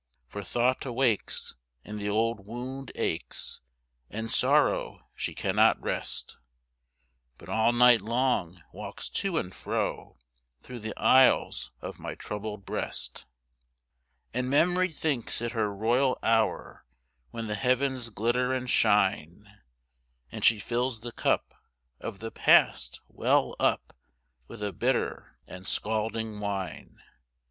For thought awakes and the old wound aches, And Sorrow she cannot rest, But all night long walks to and fro Through the aisles of my troubled breast. And Memory thinks it her royal hour When the heavens glitter and shine; And she fills the cup of the past well up With a bitter and scalding wine.